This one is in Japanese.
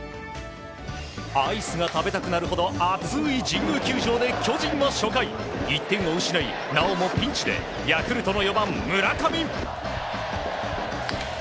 アイスが食べたくなるほど暑い神宮球場で巨人は初回、１点を失いなおもピンチでヤクルトの４番、村上！